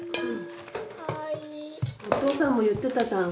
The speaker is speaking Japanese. お父さんも言ってたじゃん。